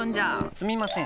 すみません。